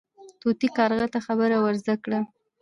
طوطي کارغه ته خبرې ور زده کړې.